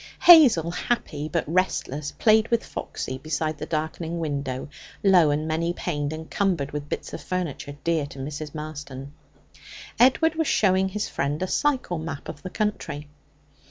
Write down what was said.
Hazel, happy but restless, played with Foxy beside the darkening window, low and many paned and cumbered with bits of furniture dear to Mrs. Marston. Edward was showing his friend a cycle map of the country.